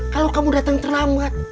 kalau kamu datang terlambat